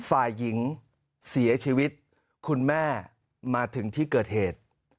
ฝ่ายหญิงเสียชีวิตคุณแม่มาถึงที่เกิดเหตุ